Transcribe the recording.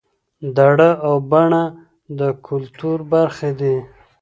دړه او بنه د کولتور برخې دي